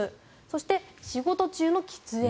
そして仕事中の喫煙。